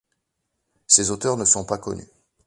Ses auteurs ne sont pas connus.